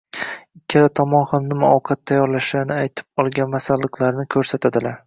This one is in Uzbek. ikkala tomon ham nima ovqat tayyorlashlarini aytib olgan masalliqlarini ko’rsatadilar.